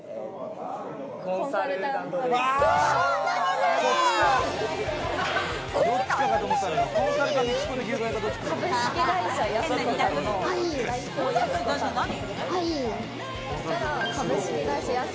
コンサルタントです。